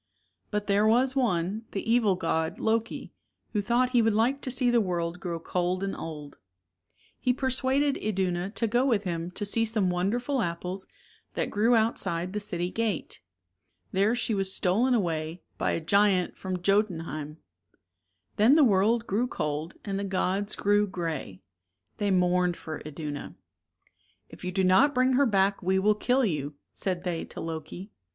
But there was one, the evil god, Loki, who thought he would like to see the world grow cold and old. He persuaded Iduna to go with him to see some wonderful apples that grew outside the city gate. There she was stolen away by a giant from Jotun heim. Then the world grew cold and the gods grew gray. They mourned for Iduna. 32 " If you do not bring her back we will kill you," said they to Loki.